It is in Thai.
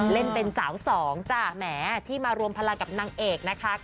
เล่นเป็นสาวสองจ้ะแหมที่มารวมพลังกับนางเอกนะคะ